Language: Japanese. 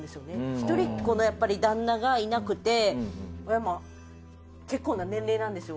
一人っ子のやっぱり旦那がいなくて親も結構な年齢なんですよ。